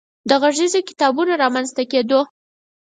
د غږیزو کتابونو رامنځ ته کېدو